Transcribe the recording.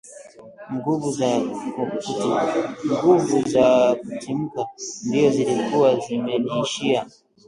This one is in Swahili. Nguvu za kutimka mbio zilikuwa zimeniishia